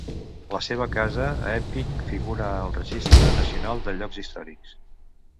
La seva casa a Epping figura al Registre Nacional de Llocs Històrics.